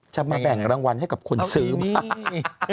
จะมาแบ่งรางวัลให้กับคนซื้อมาก